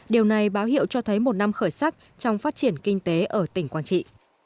điều này báo hiệu cho thấy một năm khởi sắc trong phát triển kinh tế ở tỉnh quảng trị